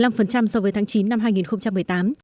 giảm một mươi năm so với tháng chín năm hai nghìn một mươi chín